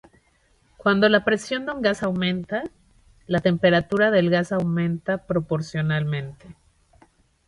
Cuando la presión de un gas aumenta, la temperatura del gas aumenta proporcionalmente.